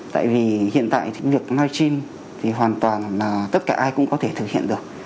tại vì hiện tại việc live stream thì hoàn toàn tất cả ai cũng có thể thực hiện được